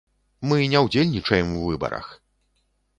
Мы не ўдзельнічаем у выбарах!